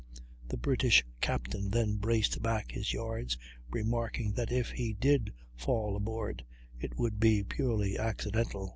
The British captain then braced back his yards, remarking that if he did fall aboard it would be purely accidental.